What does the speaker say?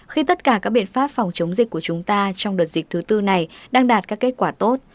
khi tất cả các biện pháp phòng chống dịch của chúng ta trong đợt dịch thứ tư này đang đạt các kết quả tốt